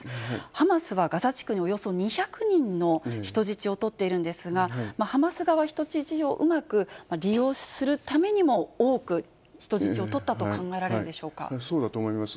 ハマスはガザ地区におよそ２００人の人質を取っているんですが、ハマス側は人質をうまく利用するためにも、多く人質を取ったと考そうだと思います。